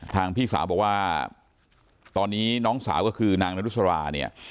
พี่สาวบอกว่าตอนนี้น้องสาวก็คือนางนรุษราเนี่ย